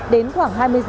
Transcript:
đến khoảng hai mươi h